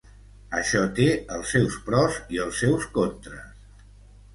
Això té els seus pros i els seus contres.